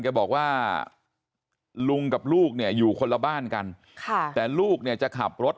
แกบอกว่าลุงกับลูกเนี่ยอยู่คนละบ้านกันค่ะแต่ลูกเนี่ยจะขับรถ